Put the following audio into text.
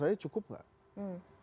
aja cukup nggak hmm hmm